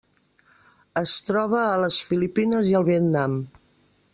Es troba a les Filipines i al Vietnam.